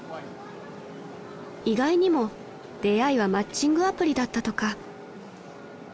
［意外にも出会いはマッチングアプリだったとか］